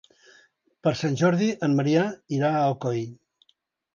Per Sant Jordi en Maria irà a Alcoi.